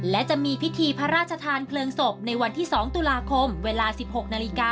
และจะมีพิธีพระราชทานเพลิงศพในวันที่๒ตุลาคมเวลา๑๖นาฬิกา